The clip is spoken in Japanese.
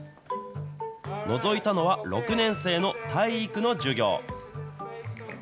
のぞいたのは６年生の体育の授業。